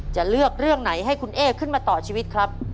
จะเลือกเรื่องไหนให้คุณเอ๊ขึ้นมาต่อชีวิตครับ